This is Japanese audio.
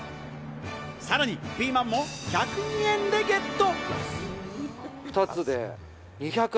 さらにピーマンも１０２円でゲット！